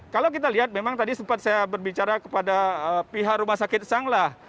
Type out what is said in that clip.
kalau kita lihat memang tadi sempat saya berbicara kepada pihak rumah sakit sanglah